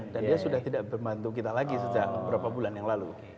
dan dia sudah tidak membantu kita lagi sejak beberapa bulan yang lalu